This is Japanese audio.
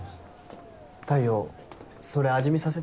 太陽それ味見させて。